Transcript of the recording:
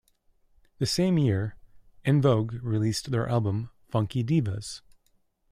The same year, En Vogue released their album "Funky Divas".